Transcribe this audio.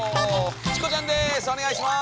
チコちゃんです！